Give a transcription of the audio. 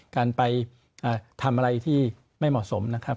การไปทำอะไรที่ไม่เหมาะสมนะครับ